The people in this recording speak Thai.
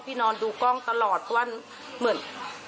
นอนดูกล้องตลอดเพราะว่าเหมือน